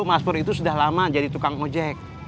mas pur itu sudah lama jadi tukang ojek